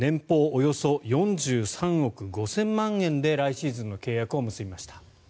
およそ４３億５０００万円で来シーズンの契約を結びました。